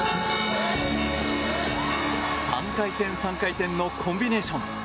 ３回転、３回転のコンビネーション。